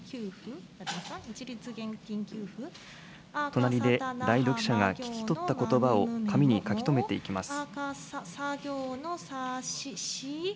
隣で代読者が聞き取ったことばを紙に書き留めていきます。